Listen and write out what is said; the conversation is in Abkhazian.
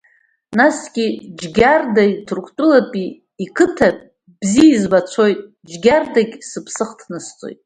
Насгьы Џьгьарда Ҭырқәтәылатәи иқыҭа бзиа избацәоит Џьгьардагьы сыԥсы ахҭнысҵоит.